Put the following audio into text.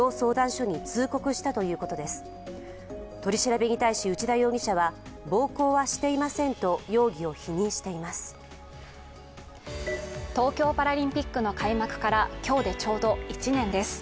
取り調べに対し、内田容疑者は暴行はしていませんと、東京パラリンピックの開幕から、今日でちょうど１年です。